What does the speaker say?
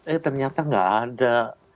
eh ternyata gak ada